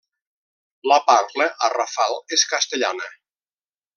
La parla, a Rafal, és castellana.